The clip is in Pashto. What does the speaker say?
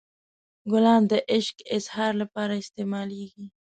ګلان د عشق اظهار لپاره استعمالیږي.